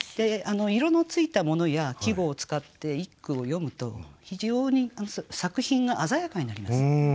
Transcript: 色のついたものや季語を使って一句を詠むと非常に作品が鮮やかになります。